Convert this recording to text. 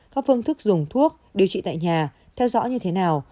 các phương thức dùng thuốc điều trị tại nhà theo dõi như thế nào